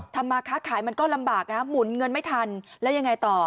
มาค้าขายมันก็ลำบากนะหมุนเงินไม่ทันแล้วยังไงต่อ